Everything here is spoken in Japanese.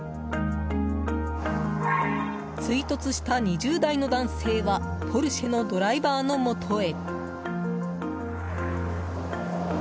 追突した２０代の男性はポルシェのドライバーのもとへ。